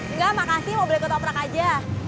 enggak makasih mau beli ketoprak aja